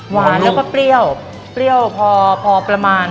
หวานแล้วก็เปรี้ยวเปรี้ยวพอประมาณ